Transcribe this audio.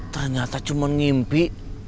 ternyata cuma mimpi